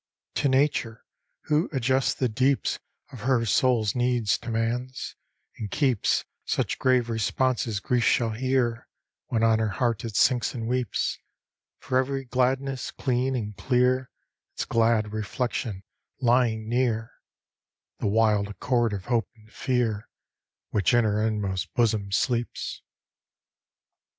To Nature! who adjusts the deeps Of her soul's needs to man's; and keeps Such grave response as grief shall hear When on her heart it sinks and weeps; For every gladness, clean and clear Its glad reflection lying near The wild accord of hope and fear Which in her inmost bosom sleeps.